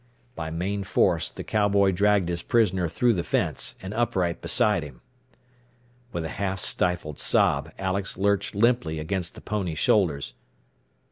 By main force the cowboy dragged his prisoner through the fence, and upright beside him. With a half stifled sob Alex lurched limply against the pony's shoulders.